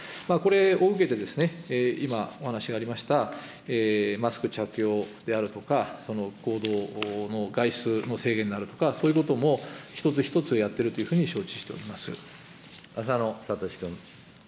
これを受けて、今、お話がありましたマスク着用であるとか、行動の外出の制限であるとか、そういうことも、一つ一つやっているというふうに承知しておりま浅野哲君。